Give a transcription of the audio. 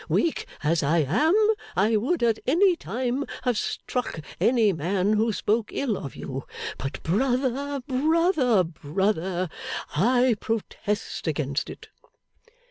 Weak as I am, I would at any time have struck any man who spoke ill of you. But, brother, brother, brother, I protest against it!